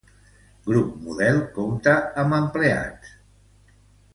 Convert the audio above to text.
Grupo Modelo compta amb empleats.